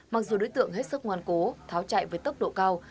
mặc dù đối tượng hết sức ngoan cố tháo chạy với tốc độ cao